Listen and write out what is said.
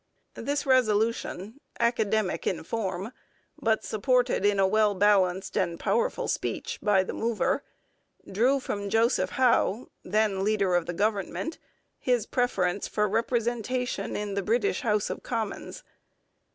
This resolution, academic in form, but supported in a well balanced and powerful speech by the mover, drew from Joseph Howe, then leader of the government, his preference for representation in the British House of Commons.